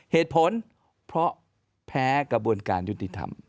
เหตุผลเพราะแพ้กระบวนการยุติธรรม